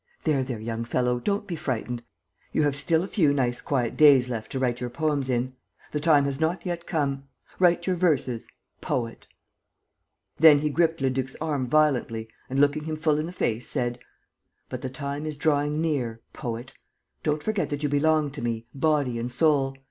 "There, there, young fellow, don't be frightened: you have still a few nice quiet days left to write your poems in. The time has not yet come. Write your verses ... poet!" Then he gripped Leduc's arm violently and, looking him full in the face, said: "But the time is drawing near ... poet! Don't forget that you belong to me, body and soul.